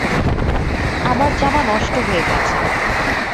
আমার জামা নষ্ট হয়ে গেছে।